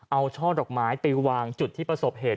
เอาช่อดอกไม้ไปวางจุดที่ประสบเหตุ